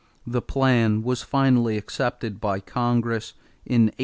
This plan was finally accepted by Congress in 1840.